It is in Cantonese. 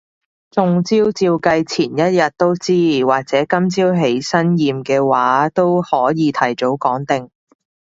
中招照計前一日都知，或者今朝起身驗嘅話都可以提早講定